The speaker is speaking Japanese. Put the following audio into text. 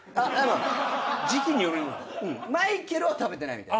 マイケルは食べてないみたい。